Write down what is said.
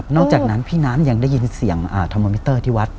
จากนั้นพี่น้ำยังได้ยินเสียงธรรมอมิเตอร์ที่วัด